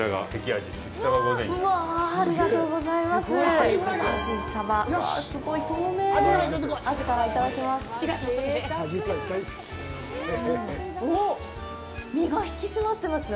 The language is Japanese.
アジからいただきます。